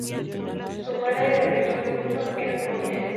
Su madre, de apellido Wilson, era estadounidense.